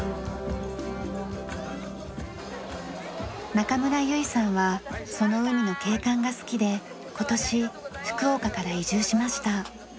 中村ゆいさんはその海の景観が好きで今年福岡から移住しました。